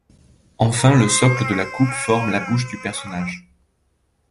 Enfin, le socle de la coupe forme la bouche du personnage.